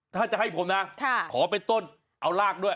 ถ้าจะให้ผมนะขอเป็นต้นเอารากด้วย